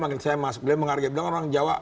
manggil saya mas beliau menghargai beliau orang jawa